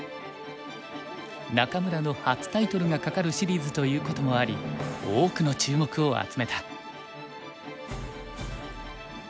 仲邑の初タイトルがかかるシリーズということもあり多くの注目を集めた。